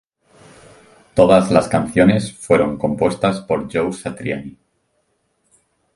Todas las canciones fueron compuestas por Joe Satriani.